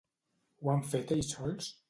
Ho han fet ells sols?